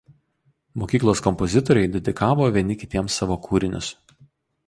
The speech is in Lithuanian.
Mokyklos kompozitoriai dedikavo vieni kitiems savo kūrinius.